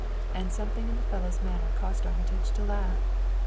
and something in the fellow's manner caused Armitage to laugh.